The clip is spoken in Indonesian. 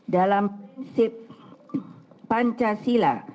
dalam prinsip pancasila